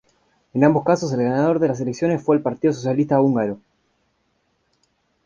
En ambos casos el ganador de las elecciones fue el Partido Socialista Húngaro.